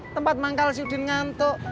tempat manggal si udin ngantuk